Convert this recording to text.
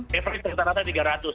pembelian sekitar rata tiga ratus